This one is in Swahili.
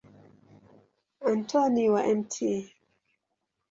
Antoni wa Mt.